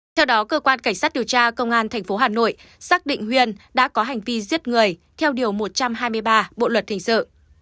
theo đó cơ quan cảnh sát điều tra công an tp hà nội xác định huyền đã có hành vi giết người theo điều một trăm hai mươi ba bộ luật hình sự